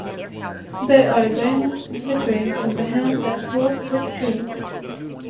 There are diamonds glittering on the hand that holds the screen.